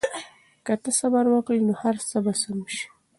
که ته صبر وکړې نو هر څه به سم شي.